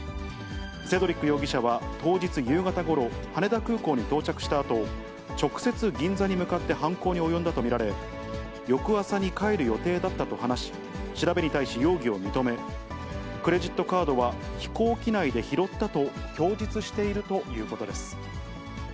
セドリック容疑者は当日夕方ごろ、羽田空港に到着したあと、直接銀座に向かって犯行に及んだと見られ、翌朝に帰る予定だったと話し、調べに対し容疑を認め、クレジットカードは飛行機内で拾ったと供述しているということです。